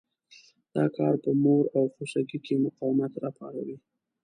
دا کار په مور او خوسکي کې مقاومت را پاروي.